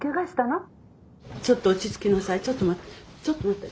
ちょっと待って。